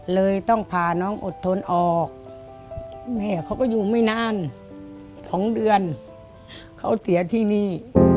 เลยต้องพาน้องอดทนออกแม่เขาก็อยู่ไม่นาน๒เดือนเขาเสียที่นี่